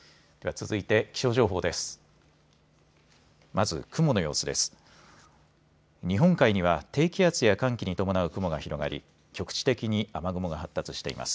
続いて気象情報です。